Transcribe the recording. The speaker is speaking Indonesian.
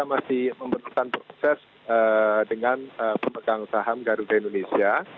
saya masih memperkenalkan proses dengan pemegang saham garuda indonesia